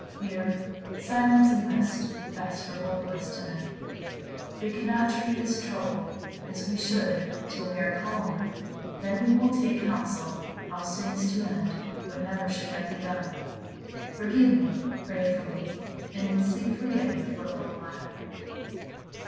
"Dear, silence and rest are best for both of us to night. We cannot treat this trouble as we should till we are calmer; then we will take counsel how soonest to end what never should have been begun. Forgive me, pray for me, and in sleep forget me for a little while."